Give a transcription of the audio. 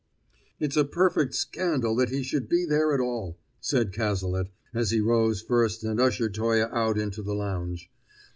"It's a perfect scandal that he should be there at all," said Cazalet, as he rose first and ushered Toye out into the lounge.